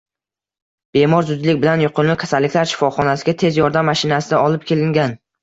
Bemor zudlik bilan yuqumli kasalliklar shifoxonasiga tez yordam mashinasida olib kelingan.